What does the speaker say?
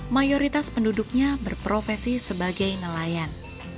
mayoritas penduduknya berprofesi sebagai nelayan